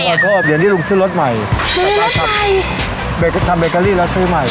กว่าโอพย์อย่างที่ลุงซื้อรถใหม่จากจากทำเบเกอรีแล้วซื้อใหม่